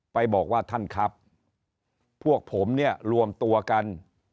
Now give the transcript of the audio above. ไปบอกว่าท่านครับพวกผมเนี่ยรวมตัวกัน